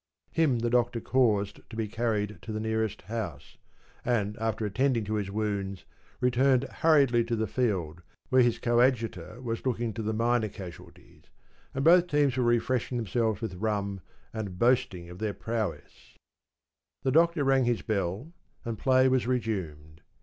Him the Doctor caused to be carried to the nearest house, and, after attending to his wounds, returned hurriedly to the field, where his coadjutor was looking to the minor casualties, and both teams were refreshing themselves with rum, and boasting of their prowess. The Doctor rang his bell, and play was resumed.